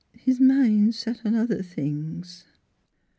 His mind 's set on other things."